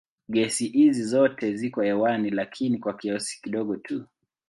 Gesi hizi zote ziko hewani lakini kwa kiasi kidogo tu.